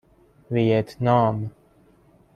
ویتنام